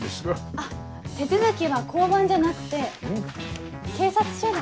あっ手続きは交番じゃなくて警察署で。